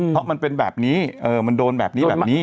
เพราะมันเป็นแบบนี้มันโดนแบบนี้แบบนี้